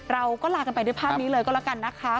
เราก็ลากันไปด้วยภาพนี้เลยก็แล้วกันนะคะ